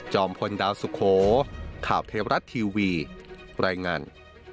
พลดาวสุโขข่าวเทวรัฐทีวีรายงาน